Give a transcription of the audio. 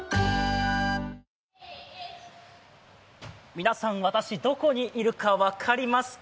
皆さん、私、どこにいるか分かりますか？